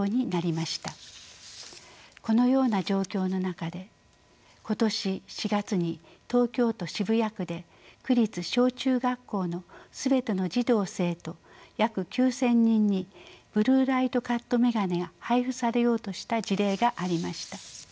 このような状況の中で今年４月に東京都渋谷区で区立小中学校の全ての児童生徒約９，０００人にブル―ライトカット眼鏡が配布されようとした事例がありました。